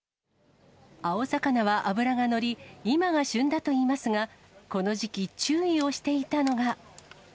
青魚は脂が乗り、今が旬だといいますが、この時期、注意をしていたのが。